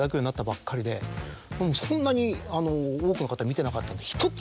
そんなに多くの方見てなかったので。